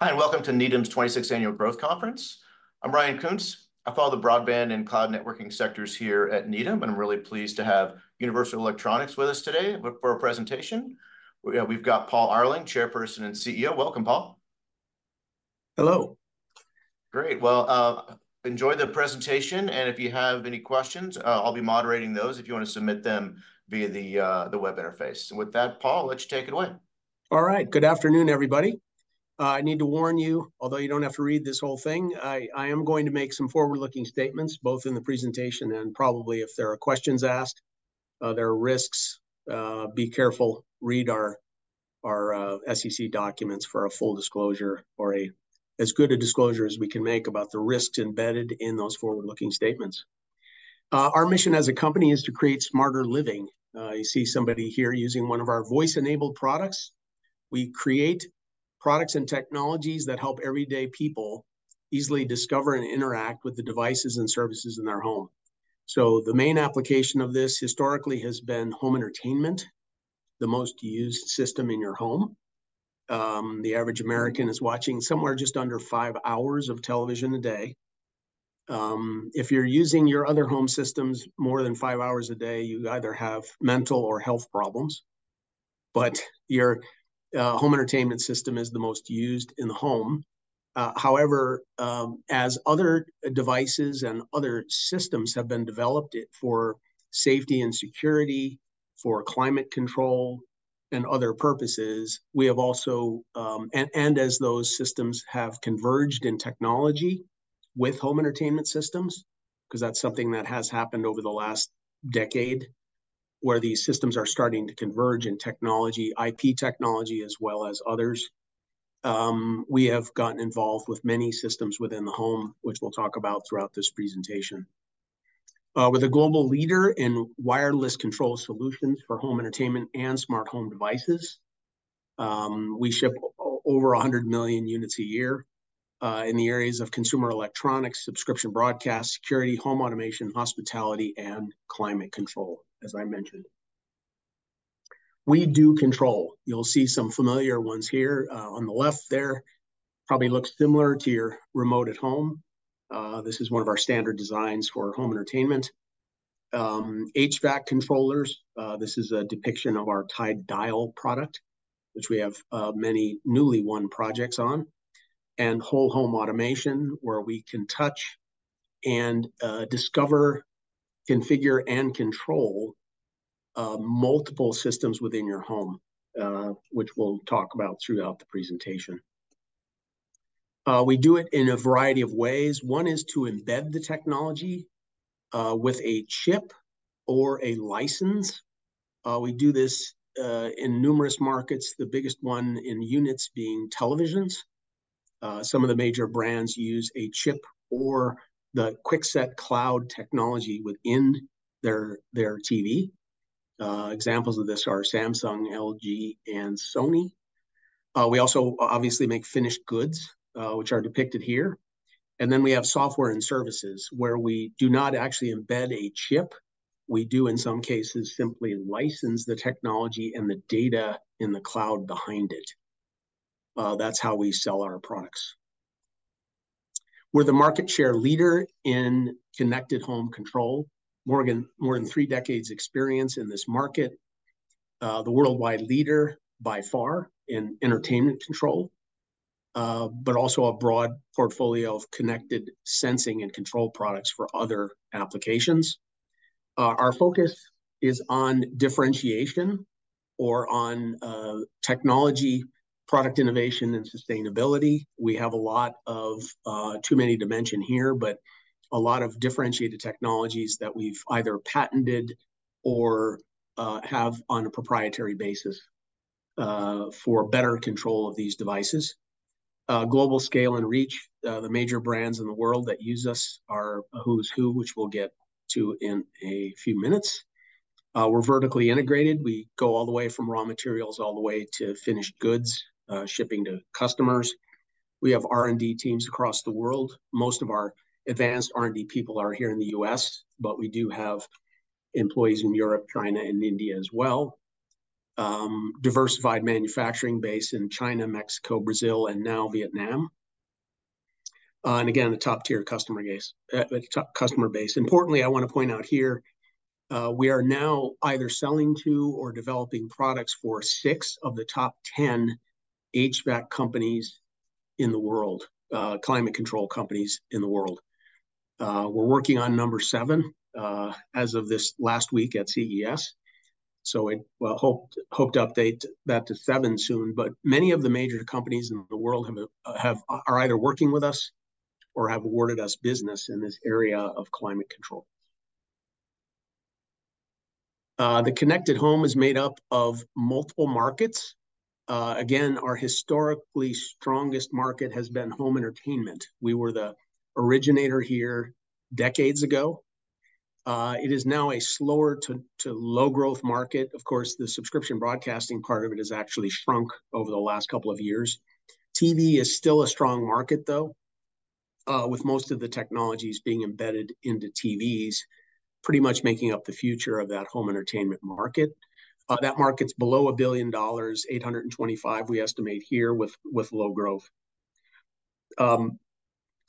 Hi, and welcome to Needham's 26th Annual Growth Conference. I'm Ryan Koontz. I follow the broadband and cloud networking sectors here at Needham, and I'm really pleased to have Universal Electronics with us today for a presentation. We've got Paul Arling, Chairperson and CEO. Welcome, Paul. Hello. Great. Well, enjoy the presentation, and if you have any questions, I'll be moderating those if you wanna submit them via the web interface. With that, Paul, let's take it away. All right. Good afternoon, everybody. I need to warn you, although you don't have to read this whole thing, I am going to make some forward-looking statements, both in the presentation and probably if there are questions asked. There are risks. Be careful. Read our SEC documents for a full disclosure or as good a disclosure as we can make about the risks embedded in those forward-looking statements. Our mission as a company is to create smarter living. You see somebody here using one of our voice-enabled products. We create products and technologies that help everyday people easily discover and interact with the devices and services in their home. So the main application of this historically has been home entertainment, the most used system in your home. The average American is watching somewhere just under five hours of television a day. If you're using your other home systems more than five hours a day, you either have mental or health problems, but your home entertainment system is the most used in the home. However, as other devices and other systems have been developed for safety and security, for climate control and other purposes, we have also, as those systems have converged in technology with home entertainment systems, 'cause that's something that has happened over the last decade, where these systems are starting to converge in technology, IP technology, as well as others, we have gotten involved with many systems within the home, which we'll talk about throughout this presentation. We're the global leader in wireless control solutions for home entertainment and smart home devices. We ship over 100 million units a year in the areas of consumer electronics, subscription broadcast, security, home automation, hospitality, and climate control, as I mentioned. We do control. You'll see some familiar ones here on the left there. Probably looks similar to your remote at home. This is one of our standard designs for home entertainment. HVAC controllers, this is a depiction of our TIDE Dial product, which we have many newly won projects on, and whole home automation, where we can touch and discover, configure, and control multiple systems within your home, which we'll talk about throughout the presentation. We do it in a variety of ways. One is to embed the technology with a chip or a license. We do this in numerous markets, the biggest one in units being televisions. Some of the major brands use a chip or the QuickSet Cloud technology within their TV. Examples of this are Samsung, LG, and Sony. We also obviously make finished goods, which are depicted here, and then we have software and services, where we do not actually embed a chip. We do, in some cases, simply license the technology and the data in the cloud behind it. That's how we sell our products. We're the market share leader in connected home control. More than three decades experience in this market. The worldwide leader by far in entertainment control, but also a broad portfolio of connected sensing and control products for other applications. Our focus is on differentiation or on technology, product innovation, and sustainability. We have a lot of too many to mention here, but a lot of differentiated technologies that we've either patented or have on a proprietary basis for better control of these devices. Global scale and reach. The major brands in the world that use us are a who's who, which we'll get to in a few minutes. We're vertically integrated. We go all the way from raw materials all the way to finished goods shipping to customers. We have R&D teams across the world. Most of our advanced R&D people are here in the U.S., but we do have employees in Europe, China, and India as well. Diversified manufacturing base in China, Mexico, Brazil, and now Vietnam. And again, a top-tier customer base. Importantly, I wanna point out here, we are now either selling to or developing products for six of the top 10 HVAC companies in the world, climate control companies in the world. We're working on number seven, as of this last week at CES, so I hope to update that to seven soon. But many of the major companies in the world are either working with us or have awarded us business in this area of climate control. The connected home is made up of multiple markets. Again, our historically strongest market has been home entertainment. We were the originator here decades ago. It is now a slower to low growth market. Of course, the subscription broadcasting part of it has actually shrunk over the last couple of years. TV is still a strong market, though. With most of the technologies being embedded into TVs, pretty much making up the future of that home entertainment market. That market is below $1 billion, $825 million, we estimate here with low growth.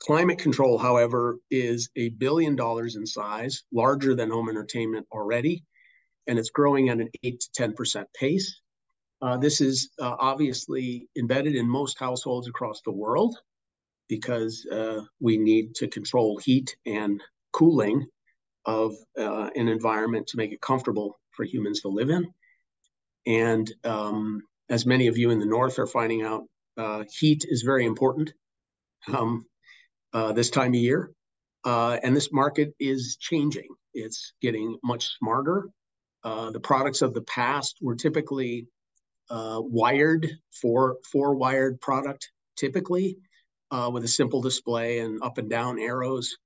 Climate control, however, is $1 billion in size, larger than home entertainment already, and it's growing at an 8%-10% pace. This is obviously embedded in most households across the world because we need to control heat and cooling of an environment to make it comfortable for humans to live in. As many of you in the north are finding out, heat is very important this time of year. This market is changing. It's getting much smarter. The products of the past were typically wired four-wired product, typically, with a simple display and up and down arrows.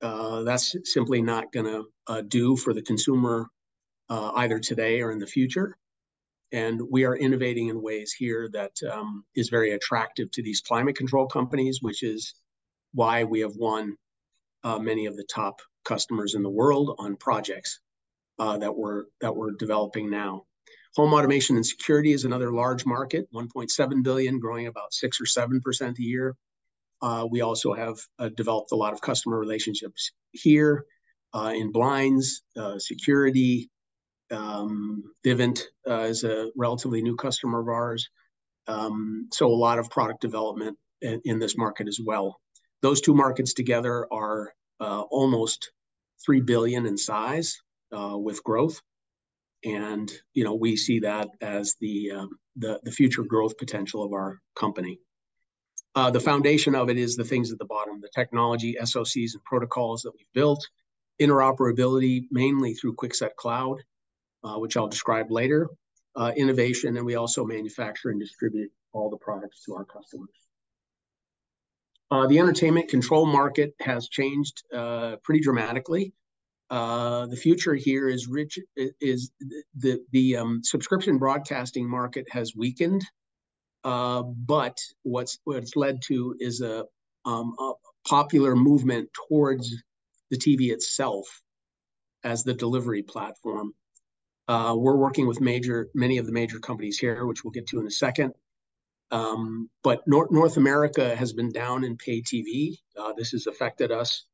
That's simply not gonna do for the consumer, either today or in the future. And we are innovating in ways here that is very attractive to these climate control companies, which is why we have won many of the top customers in the world on projects that we're developing now. Home automation and security is another large market, $1.7 billion, growing about 6% or 7% a year. We also have developed a lot of customer relationships here in blinds, security. Vivint is a relatively new customer of ours. So a lot of product development in this market as well. Those two markets together are almost $3 billion in size with growth, and, you know, we see that as the future growth potential of our company. The foundation of it is the things at the bottom, the technology, SoCs, and protocols that we've built, interoperability, mainly through QuickSet Cloud, which I'll describe later, innovation, and we also manufacture and distribute all the products to our customers. The entertainment control market has changed pretty dramatically. The future here is the subscription broadcasting market has weakened, but what it's led to is a popular movement towards the TV itself as the delivery platform. We're working with many of the major companies here, which we'll get to in a second. But North America has been down in pay TV. This has affected us,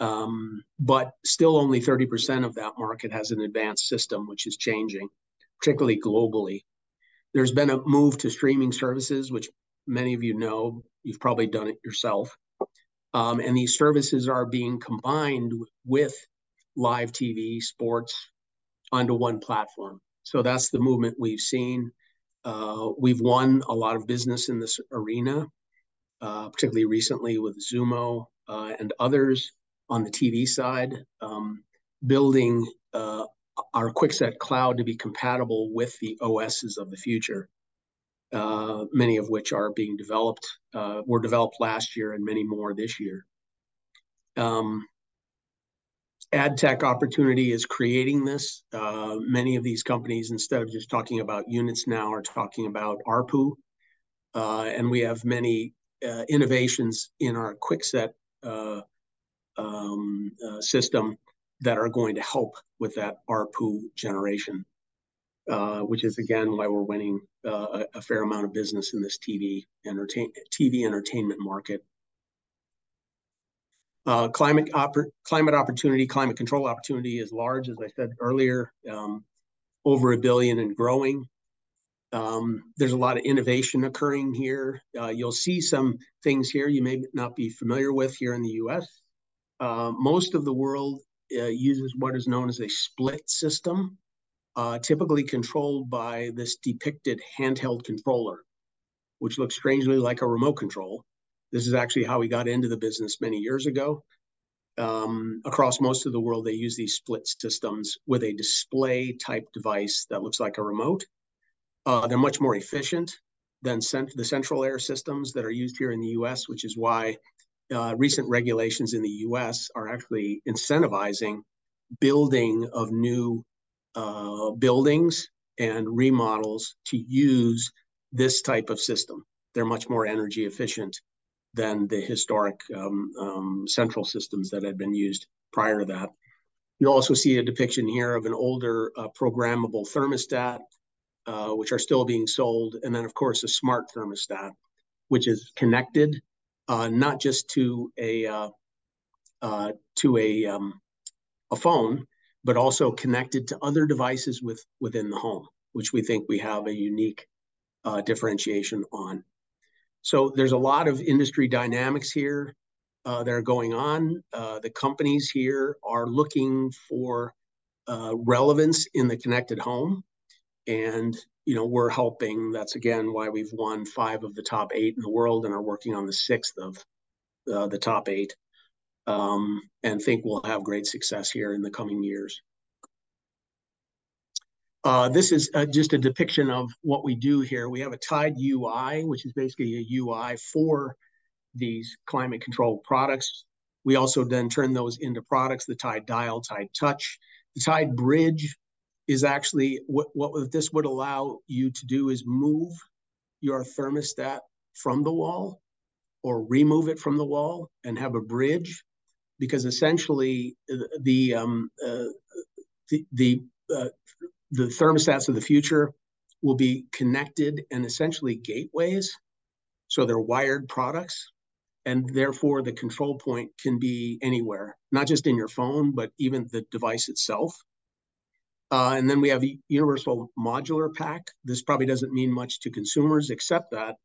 but still only 30% of that market has an advanced system, which is changing, particularly globally. There's been a move to streaming services, which many of you know. You've probably done it yourself. And these services are being combined with live TV, sports, onto one platform. So that's the movement we've seen. We've won a lot of business in this arena, particularly recently with Xumo, and others on the TV side. Building our QuickSet Cloud to be compatible with the OSes of the future, many of which were developed last year, and many more this year. Ad tech opportunity is creating this. Many of these companies, instead of just talking about units now, are talking about ARPU. And we have many innovations in our QuickSet system that are going to help with that ARPU generation, which is, again, why we're winning a fair amount of business in this TV entertainment market. Climate opportunity, climate control opportunity is large, as I said earlier, over $1 billion and growing. There's a lot of innovation occurring here. You'll see some things here you may not be familiar with here in the U.S. Most of the world uses what is known as a split system, typically controlled by this depicted handheld controller, which looks strangely like a remote control. This is actually how we got into the business many years ago. Across most of the world, they use these split systems with a display-type device that looks like a remote. They're much more efficient than the central air systems that are used here in the U.S., which is why recent regulations in the U.S. are actually incentivizing building of new buildings and remodels to use this type of system. They're much more energy efficient than the historic central systems that had been used prior to that. You'll also see a depiction here of an older programmable thermostat, which are still being sold, and then, of course, a smart thermostat, which is connected not just to a phone, but also connected to other devices within the home, which we think we have a unique differentiation on. So there's a lot of industry dynamics here that are going on. The companies here are looking for relevance in the connected home, and, you know, we're helping. That's, again, why we've won five of the top eight in the world and are working on the sixth of the top eight, and think we'll have great success here in the coming years. This is just a depiction of what we do here. We have a TIDE UI, which is basically a UI for these climate control products. We also then turn those into products, the TIDE Dial, TIDE Touch. The TIDE Bridge is actually what this would allow you to do is move your thermostat from the wall or remove it from the wall and have a bridge. Because essentially, the thermostats of the future will be connected and essentially gateways, so they're wired products, and therefore, the control point can be anywhere, not just in your phone, but even the device itself. And then we have Universal Modular Pack. This probably doesn't mean much to consumers, except that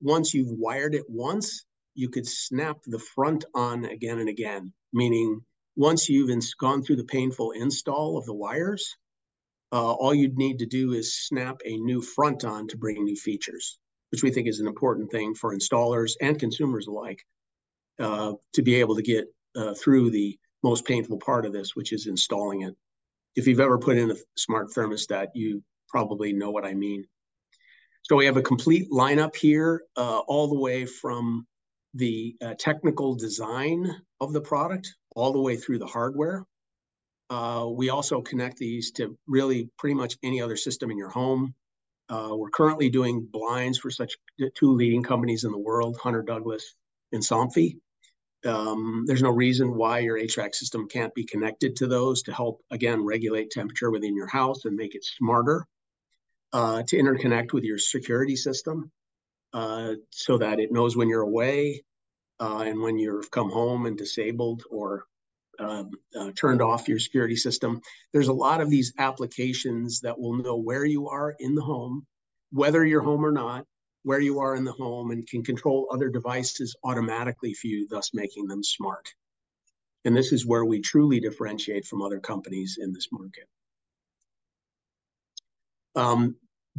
once you've wired it once, you could snap the front on again and again. Meaning, once you've gone through the painful install of the wires, all you'd need to do is snap a new front on to bring new features, which we think is an important thing for installers and consumers alike, to be able to get through the most painful part of this, which is installing it. If you've ever put in a smart thermostat, you probably know what I mean. So we have a complete lineup here, all the way from the technical design of the product, all the way through the hardware. We also connect these to really pretty much any other system in your home. We're currently doing blinds for such the two leading companies in the world, Hunter Douglas and Somfy. There's no reason why your HVAC system can't be connected to those to help, again, regulate temperature within your house and make it smarter. To interconnect with your security system, so that it knows when you're away, and when you've come home and disabled or turned off your security system. There's a lot of these applications that will know where you are in the home, whether you're home or not, where you are in the home, and can control other devices automatically for you, thus making them smart, and this is where we truly differentiate from other companies in this market.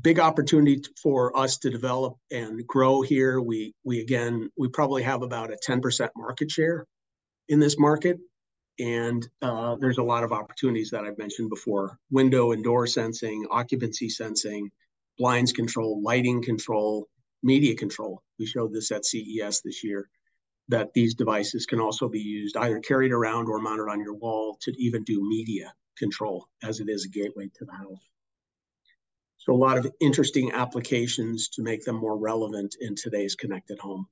Big opportunity for us to develop and grow here. We again probably have about a 10% market share in this market, and there's a lot of opportunities that I've mentioned before. Window and door sensing, occupancy sensing, blinds control, lighting control, media control. We showed this at CES this year, that these devices can also be used, either carried around or mounted on your wall, to even do media control, as it is a gateway to the house. So a lot of interesting applications to make them more relevant in today's connected home.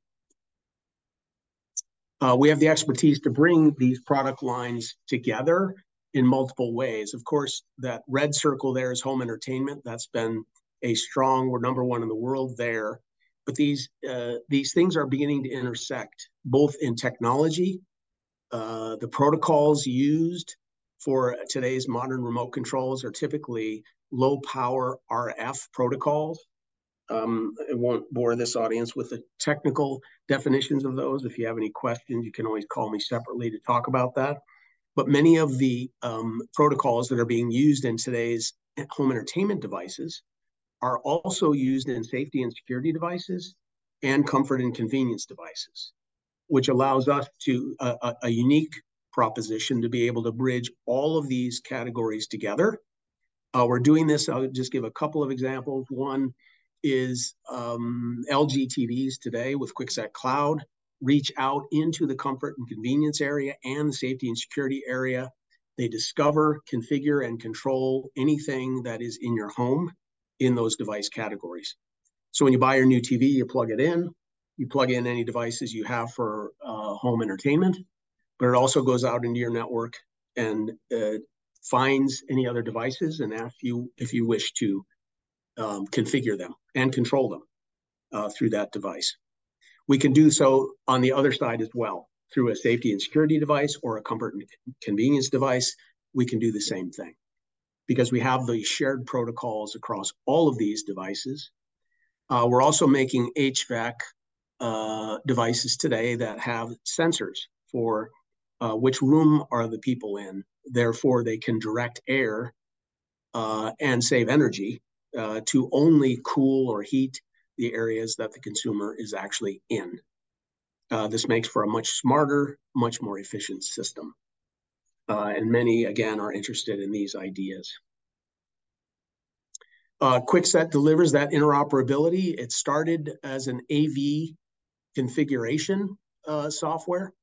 We have the expertise to bring these product lines together in multiple ways. Of course, that red circle there is home entertainment. That's been a strong... We're number one in the world there. But these things are beginning to intersect, both in technology, the protocols used for today's modern remote controls are typically low-power RF protocols. I won't bore this audience with the technical definitions of those. If you have any questions, you can always call me separately to talk about that. But many of the protocols that are being used in today's home entertainment devices are also used in safety and security devices and comfort and convenience devices, which allows us to a unique proposition to be able to bridge all of these categories together. We're doing this... I'll just give a couple of examples. One is, LG TVs today with QuickSet Cloud reach out into the comfort and convenience area and safety and security area. They discover, configure, and control anything that is in your home in those device categories. So when you buy your new TV, you plug it in, you plug in any devices you have for home entertainment, but it also goes out into your network and finds any other devices and asks you if you wish to configure them and control them through that device. We can do so on the other side as well. Through a safety and security device or a comfort and convenience device, we can do the same thing because we have the shared protocols across all of these devices. We're also making HVAC devices today that have sensors for which room are the people in, therefore, they can direct air and save energy to only cool or heat the areas that the consumer is actually in. This makes for a much smarter, much more efficient system and many, again, are interested in these ideas. QuickSet delivers that interoperability. It started as an AV configuration software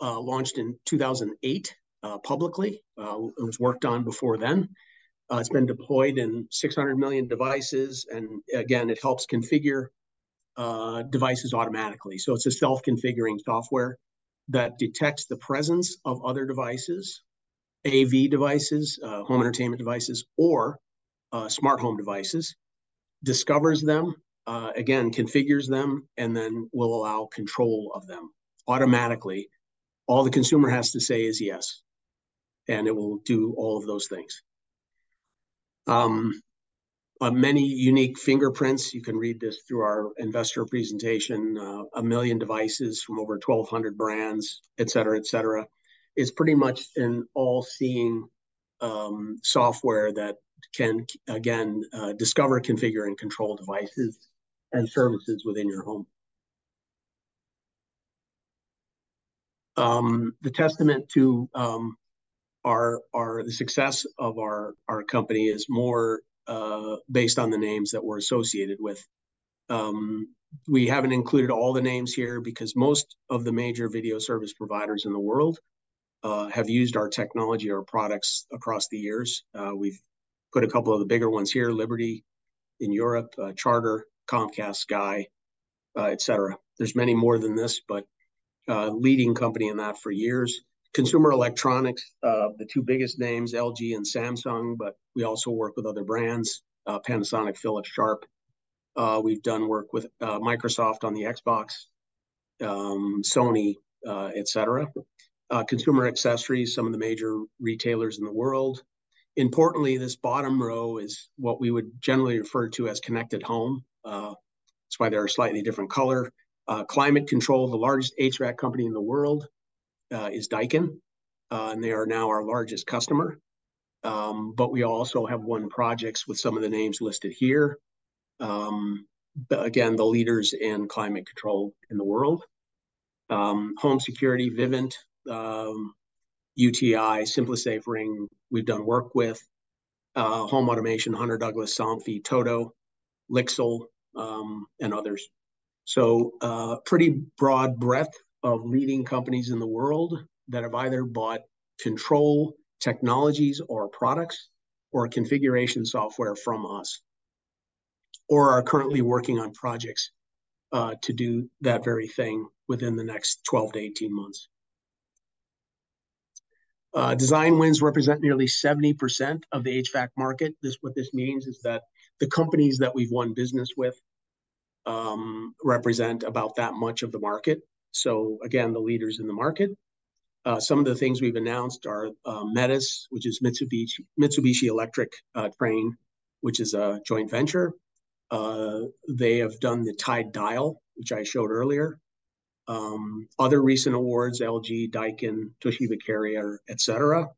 launched in 2008 publicly. It was worked on before then. It's been deployed in 600 million devices, and again, it helps configure devices automatically. So it's a self-configuring software that detects the presence of other devices, AV devices, home entertainment devices, or smart home devices, discovers them, again, configures them, and then will allow control of them automatically. All the consumer has to say is, "Yes," and it will do all of those things. Many unique fingerprints, you can read this through our investor presentation, 1 million devices from over 1,200 brands, et cetera, et cetera. It's pretty much an all-seeing software that can again discover, configure, and control devices and services within your home. The testament to our success of our company is more based on the names that we're associated with. We haven't included all the names here, because most of the major video service providers in the world have used our technology or products across the years. We've put a couple of the bigger ones here, Liberty in Europe, Charter, Comcast, Sky, et cetera. There's many more than this, but a leading company in that for years. Consumer electronics, the two biggest names, LG and Samsung, but we also work with other brands, Panasonic, Philips, Sharp. We've done work with, Microsoft on the Xbox, Sony, et cetera. Consumer accessories, some of the major retailers in the world. Importantly, this bottom row is what we would generally refer to as connected home. That's why they're a slightly different color. Climate control, the largest HVAC company in the world, is Daikin, and they are now our largest customer. But we also have won projects with some of the names listed here. Again, the leaders in climate control in the world. Home security, Vivint, UTI, SimpliSafe, Ring, we've done work with. Home automation, Hunter Douglas, Somfy, TOTO, LIXIL, and others. So, pretty broad breadth of leading companies in the world that have either bought control technologies or products or configuration software from us, or are currently working on projects to do that very thing within the next 12-18 months. Design wins represent nearly 70% of the HVAC market. This, what this means is that the companies that we've won business with represent about that much of the market, so again, the leaders in the market. Some of the things we've announced are METUS, which is Mitsubishi, Mitsubishi Electric, Trane, which is a joint venture. They have done the TIDE Dial, which I showed earlier. Other recent awards, LG, Daikin, Toshiba, Carrier, et cetera.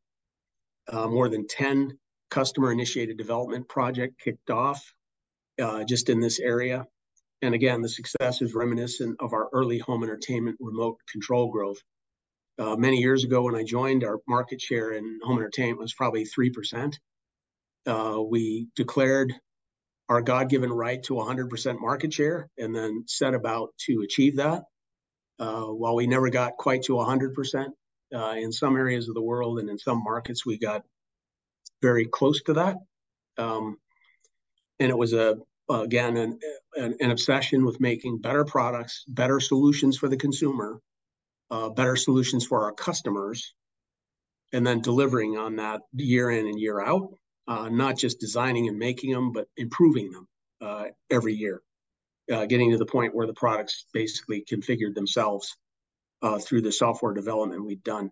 More than 10 customer-initiated development project kicked off just in this area. And again, the success is reminiscent of our early home entertainment remote control growth. Many years ago, when I joined, our market share in home entertainment was probably 3%. We declared our God-given right to a 100% market share, and then set about to achieve that. While we never got quite to a 100%, in some areas of the world and in some markets, we got very close to that. And it was again an obsession with making better products, better solutions for the consumer, better solutions for our customers, and then delivering on that year in and year out. Not just designing and making them, but improving them every year. Getting to the point where the products basically configured themselves, through the software development we've done.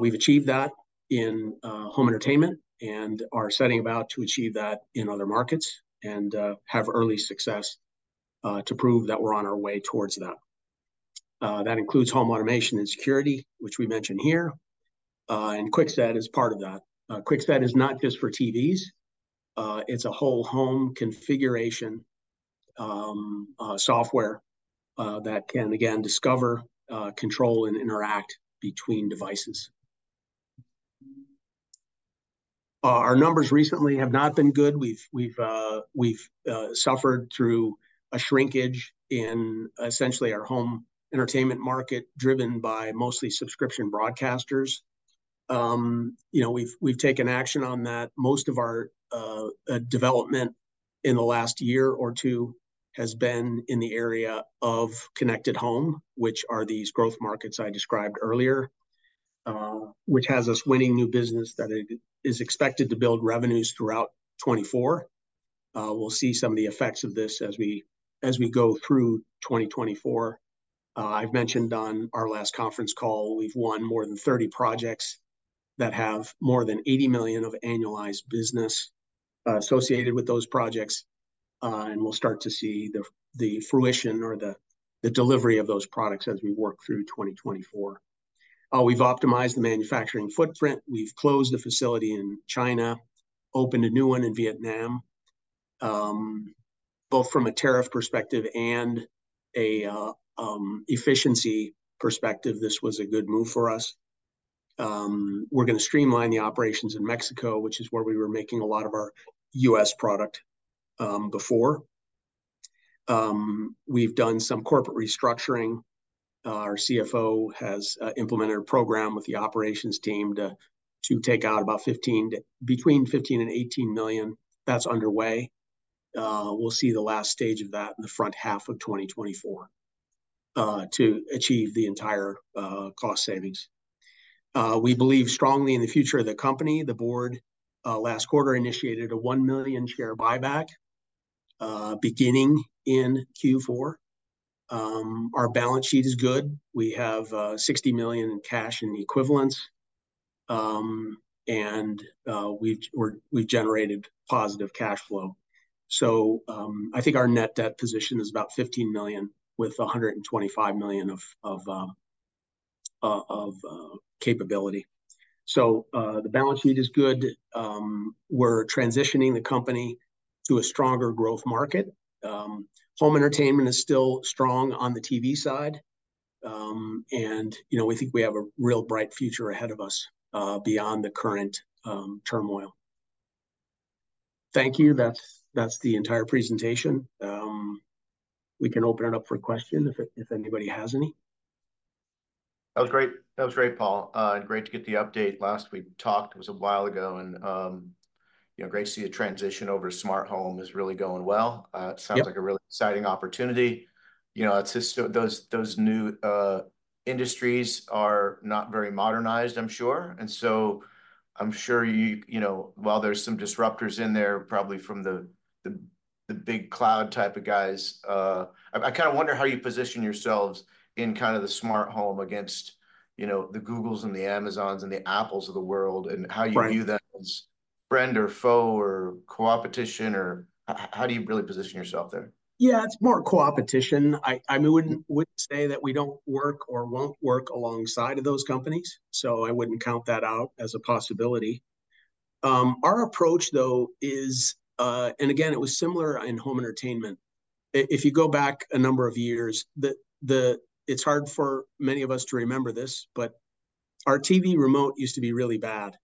We've achieved that in home entertainment, and are setting about to achieve that in other markets and have early success to prove that we're on our way towards that. That includes home automation and security, which we mention here, and QuickSet is part of that. QuickSet is not just for TVs, it's a whole home configuration software that can again discover, control, and interact between devices. Our numbers recently have not been good. We've suffered through a shrinkage in essentially our home entertainment market, driven by mostly subscription broadcasters. You know, we've taken action on that. Most of our development in the last year or two has been in the area of connected home, which are these growth markets I described earlier, which has us winning new business that is expected to build revenues throughout 2024. We'll see some of the effects of this as we go through 2024. I've mentioned on our last conference call, we've won more than 30 projects that have more than $80 million of annualized business associated with those projects. And we'll start to see the fruition or the delivery of those products as we work through 2024. We've optimized the manufacturing footprint. We've closed a facility in China, opened a new one in Vietnam. Both from a tariff perspective and a efficiency perspective, this was a good move for us. We're gonna streamline the operations in Mexico, which is where we were making a lot of our U.S. product before. We've done some corporate restructuring. Our CFO has implemented a program with the operations team to take out about between $15 million and $18 million. That's underway. We'll see the last stage of that in the front half of 2024 to achieve the entire cost savings. We believe strongly in the future of the company. The board last quarter initiated a 1 million share buyback beginning in Q4. Our balance sheet is good. We have $60 million in cash and equivalents. And we've generated positive cash flow. So, I think our net debt position is about $15 million, with $125 million of capability. So, the balance sheet is good. We're transitioning the company to a stronger growth market. Home entertainment is still strong on the TV side, and, you know, we think we have a real bright future ahead of us, beyond the current turmoil. Thank you. That's the entire presentation. We can open it up for questions if anybody has any. That was great. That was great, Paul. Great to get the update. Last we talked was a while ago, and, you know, great to see the transition over to smart home is really going well. Yeah. It sounds like a really exciting opportunity. You know, it's just, so those new industries are not very modernized, I'm sure, and so I'm sure you know, while there's some disruptors in there, probably from the big cloud type of guys, I kind of wonder how you position yourselves in kind of the smart home against, you know, the Googles and the Amazons and the Apples of the world- Right... and how you view them as friend or foe or coopetition, or how do you really position yourself there? Yeah, it's more coopetition. I wouldn't say that we don't work or won't work alongside of those companies, so I wouldn't count that out as a possibility. Our approach, though, is... And again, it was similar in home entertainment. If you go back a number of years, it's hard for many of us to remember this, but our TV remote used to be really bad.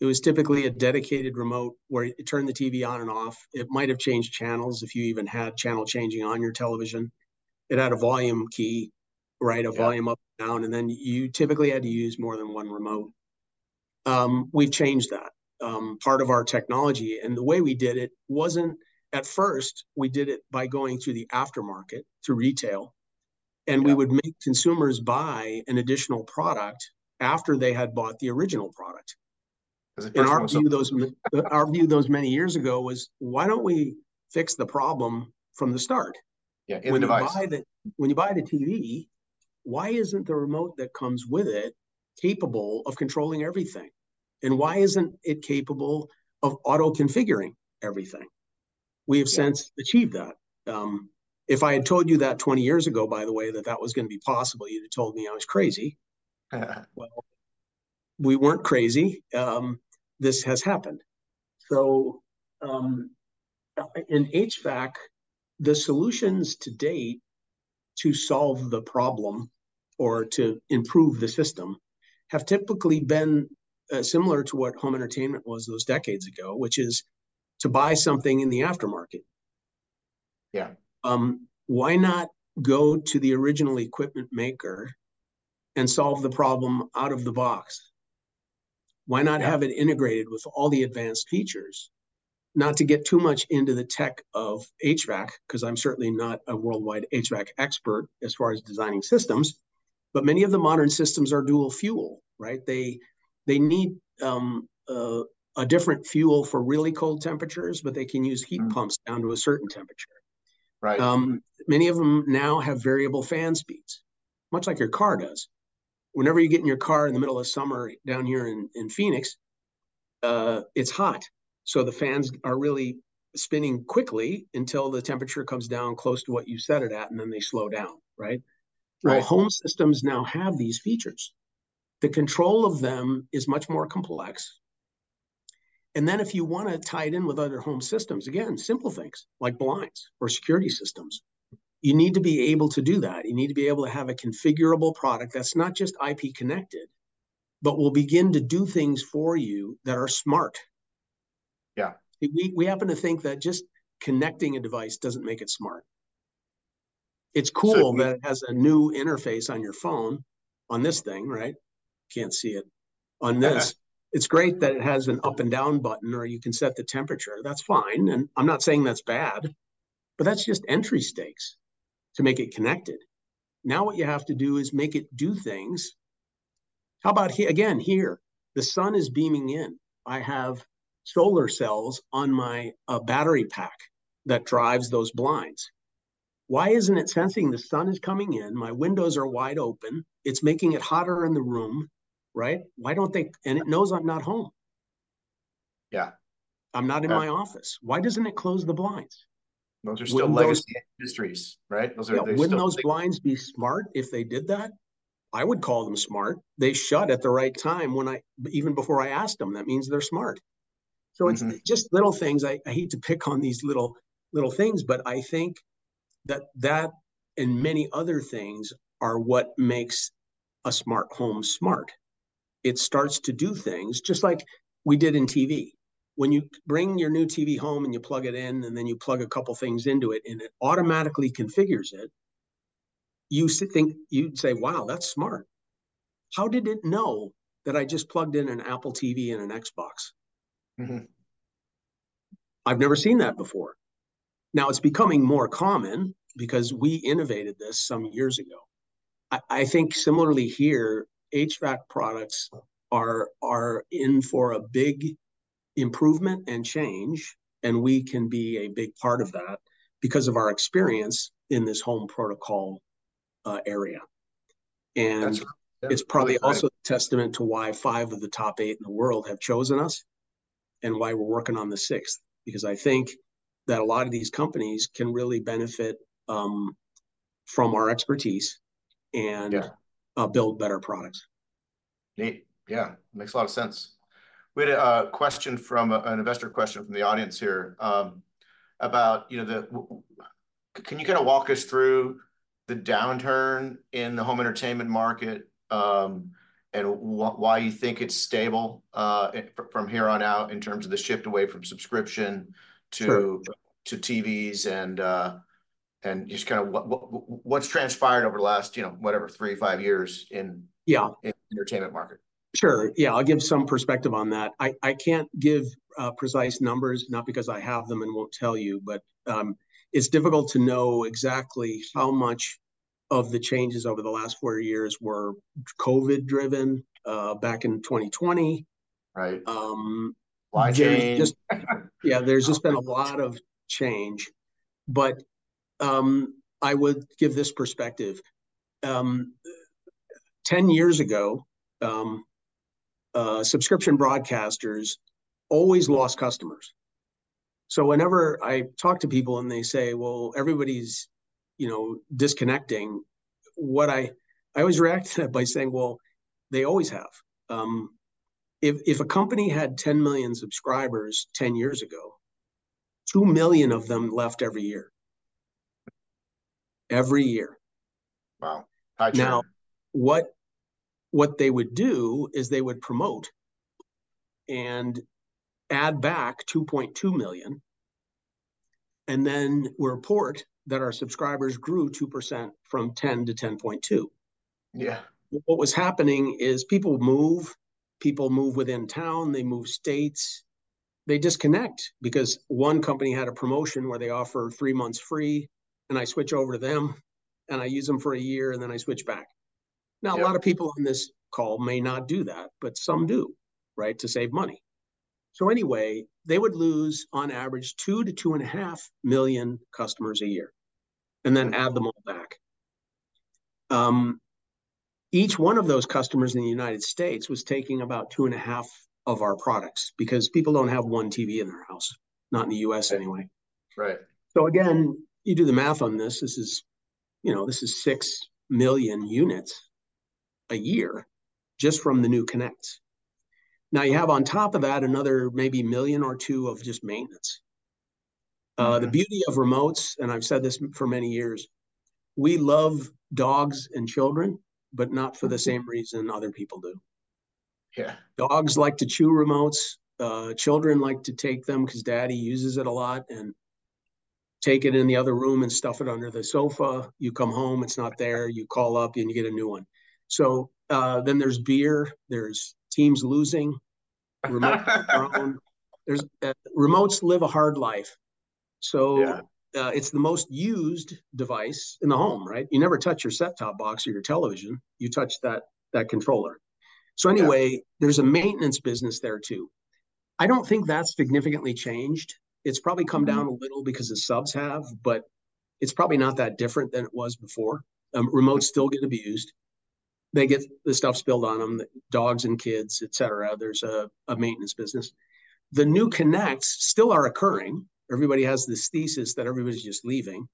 It was typically a dedicated remote where it turned the TV on and off. It might have changed channels, if you even had channel changing on your television. It had a volume key, right? Yeah. A volume up and down, and then you typically had to use more than one remote. We've changed that. Part of our technology, and the way we did it wasn't at first, we did it by going through the aftermarket, through retail- Yeah... and we would make consumers buy an additional product after they had bought the original product. 'Cause it Our view those many years ago was, "Why don't we fix the problem from the start? Yeah, in device. When you buy the TV, why isn't the remote that comes with it capable of controlling everything? And why isn't it capable of auto-configuring everything? Yeah. We have since achieved that. If I had told you that 20 years ago, by the way, that that was gonna be possible, you'd have told me I was crazy. Uh-uh. Well, we weren't crazy. This has happened. So, in HVAC, the solutions to date to solve the problem or to improve the system have typically been similar to what home entertainment was those decades ago, which is to buy something in the aftermarket. Yeah. Why not go to the original equipment maker and solve the problem out of the box? Yeah. Why not have it integrated with all the advanced features? Not to get too much into the tech of HVAC, 'cause I'm certainly not a worldwide HVAC expert as far as designing systems, but many of the modern systems are dual fuel, right? They need a different fuel for really cold temperatures, but they can use heat- Mm... pumps down to a certain temperature. Right. Many of them now have variable fan speeds, much like your car does. Whenever you get in your car in the middle of summer down here in Phoenix, it's hot, so the fans are really spinning quickly until the temperature comes down close to what you set it at, and then they slow down, right? Right. Well, home systems now have these features. The control of them is much more complex, and then if you wanna tie it in with other home systems, again, simple things like blinds or security systems, you need to be able to do that. You need to be able to have a configurable product that's not just IP connected, but will begin to do things for you that are smart. Yeah. We happen to think that just connecting a device doesn't make it smart. So- It's cool that it has a new interface on your phone, on this thing, right? Can't see it. Okay. On this, it's great that it has an up and down button, or you can set the temperature. That's fine, and I'm not saying that's bad, but that's just entry stakes to make it connected. Now what you have to do is make it do things. How about again, here, the sun is beaming in. I have solar cells on my battery pack that drives those blinds. Why isn't it sensing the sun is coming in, my windows are wide open, it's making it hotter in the room, right? Why don't they... And it knows I'm not home. Yeah. I'm not in my office. Yeah. Why doesn't it close the blinds? Those are still legacy- Wouldn't those-... industries, right? Those are the stuff they- Yeah. Wouldn't those blinds be smart if they did that? I would call them smart. They shut at the right time when I... even before I asked them. That means they're smart. Mm-hmm. So it's just little things. I hate to pick on these little things, but I think that and many other things are what makes a smart home smart. It starts to do things, just like we did in TV. When you bring your new TV home and you plug it in, and then you plug a couple things into it and it automatically configures it, you'd say, "Wow, that's smart. How did it know that I just plugged in an Apple TV and an Xbox? Mm-hmm. I've never seen that before." Now, it's becoming more common because we innovated this some years ago. I think similarly here, HVAC products are in for a big improvement and change, and we can be a big part of that because of our experience in this home protocol area. That's right. It's probably also- Right... a testament to why five of the top eight in the world have chosen us, and why we're working on the sixth, because I think that a lot of these companies can really benefit from our expertise, and- Yeah... build better products.... Neat. Yeah, makes a lot of sense. We had a question from an investor from the audience here, about, you know, can you kinda walk us through the downturn in the home entertainment market, and why you think it's stable, from here on out in terms of the shift away from subscription to- Sure... to TVs, and and just kinda what's transpired over the last, you know, whatever, three to five years in- Yeah... in the entertainment market? Sure. Yeah, I'll give some perspective on that. I can't give precise numbers, not because I have them and won't tell you, but it's difficult to know exactly how much of the changes over the last four years were COVID-driven back in 2020. Right. There's just- A lot changed. Yeah, there's just been a lot of change. But, I would give this perspective: 10 years ago, subscription broadcasters always lost customers. So whenever I talk to people, and they say, "Well, everybody's, you know, disconnecting," what I always react to that by saying, "Well, they always have." If a company had 10 million subscribers 10 years ago, 2 million of them left every year. Every year. Wow. True. Now, what they would do is they would promote and add back 2.2 million, and then report that our subscribers grew 2% from 10 to 10.2. Yeah. What was happening is people move, people move within town, they move states. They disconnect, because one company had a promotion where they offer three months free, and I switch over to them, and I use them for a year, and then I switch back. Yeah. Now, a lot of people on this call may not do that, but some do, right? To save money. So anyway, they would lose on average 2-2.5 million customers a year, and then add them all back. Each one of those customers in the United States was taking about 2.5 of our products, because people don't have one TV in their house, not in the U.S. anyway. Right. So again, you do the math on this. This is... You know, this is 6 million units a year just from the new connects. Now, you have on top of that another maybe 1 million or 2 million of just maintenance. Yeah. The beauty of remotes, and I've said this for many years, we love dogs and children, but not for the same reason other people do. Yeah. Dogs like to chew remotes. Children like to take them, 'cause Daddy uses it a lot, and take it in the other room and stuff it under the sofa. You come home, it's not there. You call up, and you get a new one. So, then there's beer, there's teams losing. Remotes are thrown. Remotes live a hard life. Yeah. So, it's the most used device in the home, right? You never touch your set-top box or your television. You touch that, that controller. Yeah. So anyway, there's a maintenance business there, too. I don't think that's significantly changed. Mm. It's probably come down a little because the subs have, but it's probably not that different than it was before. Remotes still get abused. They get the stuff spilled on them, dogs and kids, et cetera. There's a maintenance business. The new connects still are occurring. Everybody has this thesis that everybody's just leaving.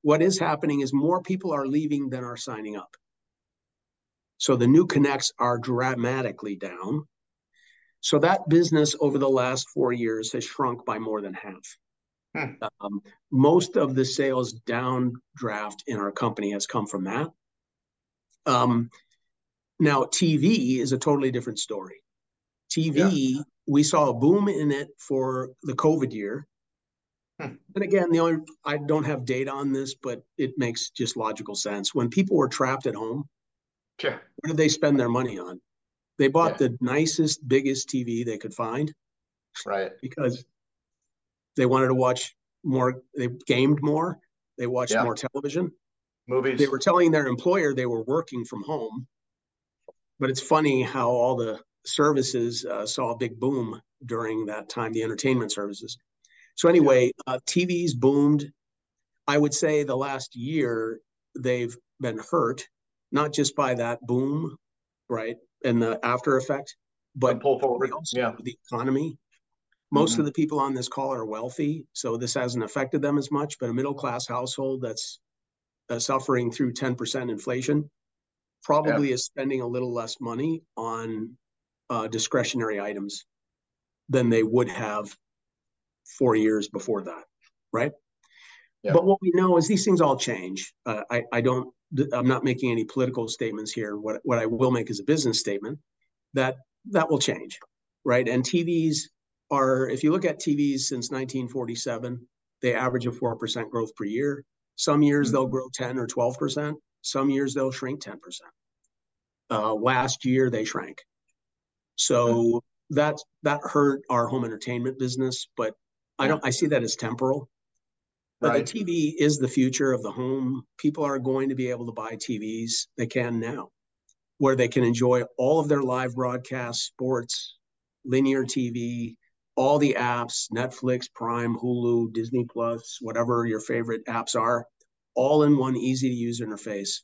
What is happening is more people are leaving than are signing up, so the new connects are dramatically down. So that business, over the last four years, has shrunk by more than half. Huh. Most of the sales downdraft in our company has come from that. Now, TV is a totally different story. Yeah. TV, we saw a boom in it for the COVID year. Huh. Again, I don't have data on this, but it makes just logical sense. When people were trapped at home. Sure... what did they spend their money on? Yeah. They bought the nicest, biggest TV they could find. Right... because they wanted to watch more... They gamed more, they watched more- Yeah... television. Movies. They were telling their employer they were working from home, but it's funny how all the services saw a big boom during that time, the entertainment services. Yeah. So anyway, TVs boomed. I would say the last year, they've been hurt not just by that boom, right, and the aftereffect, but- The pull forward, yeah... the economy. Mm. Most of the people on this call are wealthy, so this hasn't affected them as much, but a middle-class household that's suffering through 10% inflation- Yeah... probably is spending a little less money on discretionary items than they would have four years before that, right? Yeah. But what we know is these things all change. I'm not making any political statements here. What I will make is a business statement, that that will change, right? And TVs are... If you look at TVs since 1947, they average a 4% growth per year. Mm. Some years they'll grow 10% or 12%, some years they'll shrink 10%. Last year they shrank. Yeah. So that hurt our home entertainment business, but- Yeah... I don't, I see that as temporal. Right. But the TV is the future of the home. People are going to be able to buy TVs, they can now, where they can enjoy all of their live broadcast sports, linear TV, all the apps, Netflix, Prime, Hulu, Disney Plus, whatever your favorite apps are, all in one easy-to-use interface.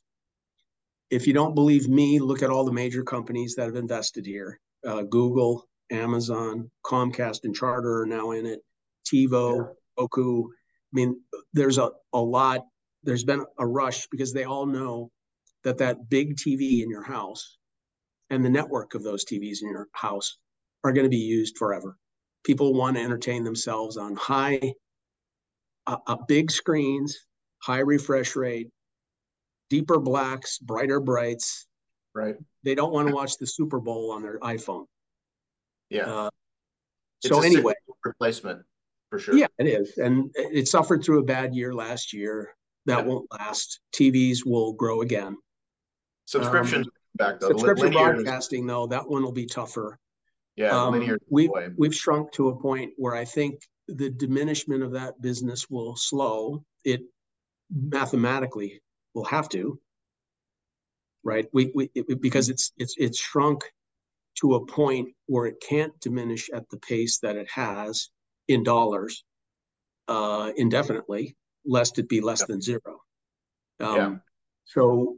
If you don't believe me, look at all the major companies that have invested here. Google, Amazon, Comcast, and Charter are now in it. TiVo, Roku. I mean, there's a lot, there's been a rush because they all know that that big TV in your house, and the network of those TVs in your house, are gonna be used forever. People wanna entertain themselves on high big screens, high refresh rate, deeper blacks, brighter brights. Right. They don't wanna watch the Super Bowl on their iPhone. Yeah. So, anyway— Replacement, for sure. Yeah, it is, and it suffered through a bad year last year. Yeah. That won't last. TVs will grow again. Subscription's back, though. Linear- Subscription broadcasting, though, that one will be tougher. Yeah, linear- We've shrunk to a point where I think the diminishment of that business will slow. It mathematically will have to, right? Because it's shrunk to a point where it can't diminish at the pace that it has, in dollars, indefinitely, lest it be less than zero. Yeah.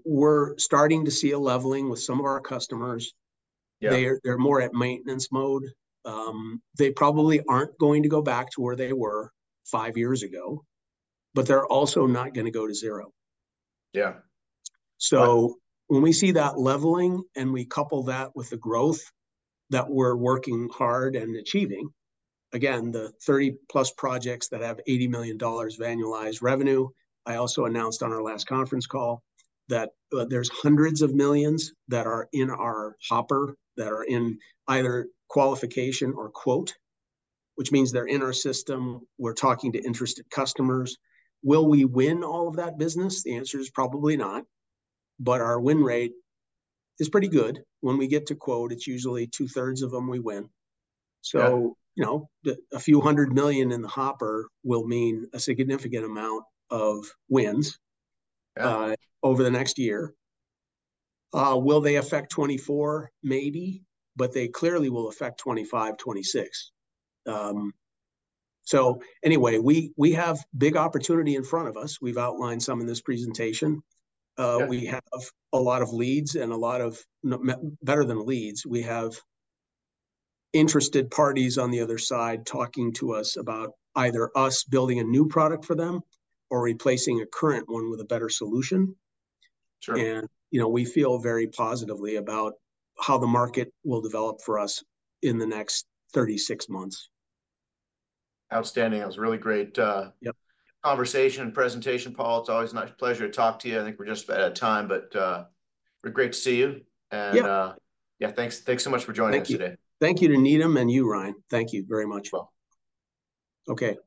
We're starting to see a leveling with some of our customers. Yeah. They're, they're more at maintenance mode. They probably aren't going to go back to where they were five years ago, but they're also not gonna go to zero. Yeah. So when we see that leveling, and we couple that with the growth that we're working hard and achieving... Again, the 30-plus projects that have $80 million of annualized revenue, I also announced on our last conference call that there's hundreds of millions that are in our hopper, that are in either qualification or quote, which means they're in our system. We're talking to interested customers. Will we win all of that business? The answer is probably not, but our win rate is pretty good. When we get to quote, it's usually two-thirds of them, we win. Yeah. So, you know, $a few hundred million in the hopper will mean a significant amount of wins- Yeah... over the next year. Will they affect 2024? Maybe, but they clearly will affect 2025, 2026. So anyway, we, we have big opportunity in front of us. We've outlined some in this presentation. Yeah. We have a lot of leads and a lot of better than leads. We have interested parties on the other side talking to us about either us building a new product for them or replacing a current one with a better solution. Sure. You know, we feel very positively about how the market will develop for us in the next 36 months. Outstanding. That was a really great. Yeah... conversation and presentation, Paul. It's always a nice pleasure to talk to you. I think we're just about out of time, but it's great to see you. Yeah. Yeah, thanks, thanks so much for joining us today. Thank you. Thank you to Needham and you, Ryan. Thank you very much, Paul. Okay, bye.